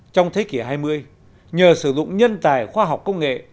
trong thế kỷ hai mươi nhờ sử dụng nhân tài khoa học công nghệ